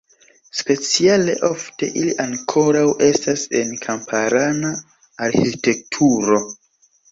Speciale ofte ili ankoraŭ estas en kamparana arĥitekturo.